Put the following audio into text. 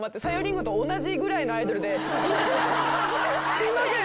すいません。